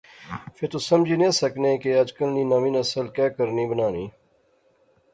فہ تس سمجھی نیا سکنے کہ اجکل نی ناویں نسل کہہ کرنی بنانی